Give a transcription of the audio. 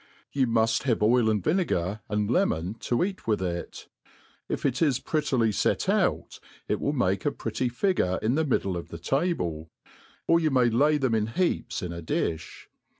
You muft have oil and vinegar, and lemon^i to eat with it. If it is prettily fet out, it will make a pretty figure in the middle of the table, or you may lay them in heaps inadiih.